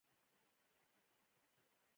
د افغانستان په منظره کې خاوره په ښکاره ډول دي.